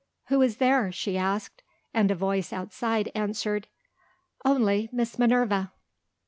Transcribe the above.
"Who is there?" she asked. And a voice outside answered, "Only Miss Minerva!"